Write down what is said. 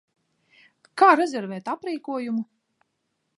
Kā rezervēt aprīkojumu?